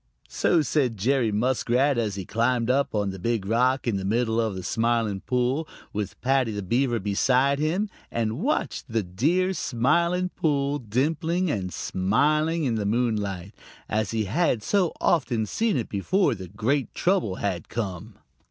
So said Jerry Muskrat, as he climbed up on the Big Rock in the middle of the Smiling Pool, with Paddy the Beaver beside him, and watched the dear Smiling Pool dimpling and smiling in the moonlight, as he had so often seen it before the great trouble had come.